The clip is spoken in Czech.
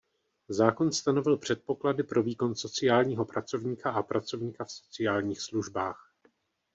Zákon stanovil předpoklady pro výkon sociálního pracovníka a pracovníka v sociálních službách.